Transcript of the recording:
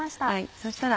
そしたら。